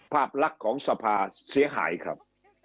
ภาพลักษณ์ของสภาเสียหายครับ